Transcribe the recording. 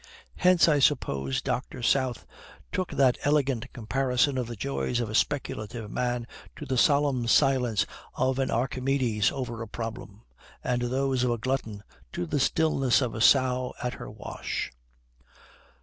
Hence I suppose Dr. South took that elegant comparison of the joys of a speculative man to the solemn silence of an Archimedes over a problem, and those of a glutton to the stillness of a sow at her wash.